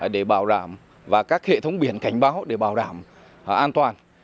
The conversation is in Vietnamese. để bảo đảm và các hệ thống biển cảnh báo để bảo đảm an toàn